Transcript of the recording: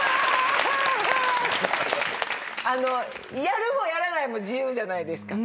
やるもやらないも自由じゃないですか。